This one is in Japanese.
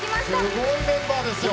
すごいメンバーですよ